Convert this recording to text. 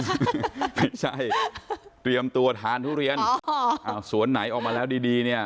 ไม่ใช่เตรียมตัวทานทุเรียนสวนไหนออกมาแล้วดีดีเนี่ย